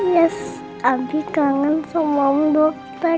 yes abi kangen sama om dokter